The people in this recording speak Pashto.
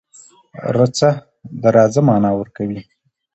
رڅه .د راځه معنی ورکوی